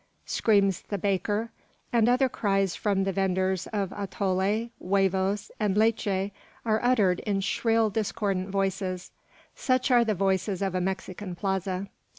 screams the baker; and other cries from the vendors of atole, huevos, and leche, are uttered in shrill, discordant voices. Such are the voices of a Mexican plaza.